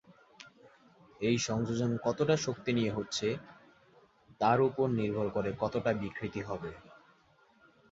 এই সংযোজন কতটা শক্তি নিয়ে হচ্ছে তার ওপর নির্ভর করে কতটা বিকৃতি হবে।